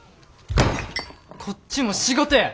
こっちも仕事や！